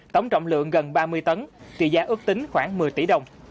tổng trọng lượng gần ba mươi tấn trị giá ước tính khoảng một mươi tỷ đồng